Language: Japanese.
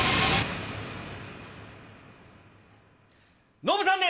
ノブさんです。